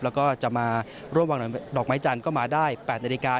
แล้วก็จะมาร่วมวางดอกไม้จันทร์ก็มาได้๘นาฬิกา